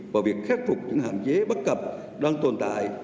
và việc khép phục những hạn chế bất cập đang tồn tại